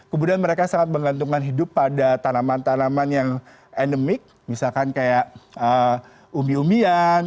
kemudian mereka sangat menggantungkan hidup pada tanaman tanaman yang endemik misalkan kayak umi umbian